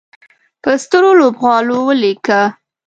په سترو لوبغالو ولیکه